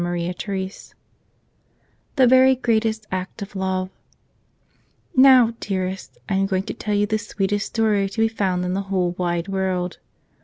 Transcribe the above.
106 Cfte IPerp (greatest act of LoOe NOW, dearest, I am going to tell you the sweet¬ est story to be found in the whole wide world.